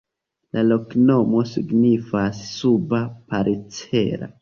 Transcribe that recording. La loknomo signifas: suba-parcela.